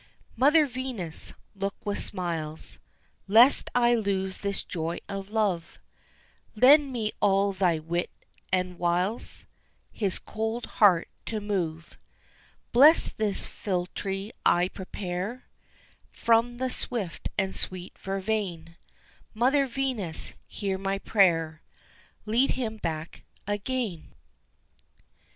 Mother Venus, look with smiles, Lest I lose this joy of love: Lend me all thy wit and wiles His cold heart to move. Bless this philtre I prepare From the swift and sweet vervain; Mother Venus, hear my prayer Lead him back again!